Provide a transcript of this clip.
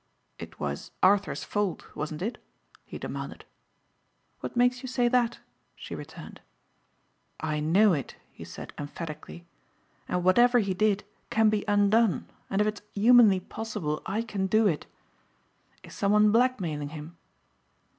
"It was Arthur's fault, wasn't it?" he demanded. "What makes you say that?" she returned. "I know it," he said emphatically, "and whatever he did can be undone and if it's humanly possible I can do it. Is someone blackmailing him?"